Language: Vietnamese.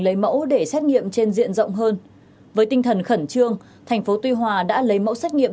lấy mẫu để xét nghiệm trên diện rộng hơn với tinh thần khẩn trương thành phố tuy hòa đã lấy mẫu xét nghiệm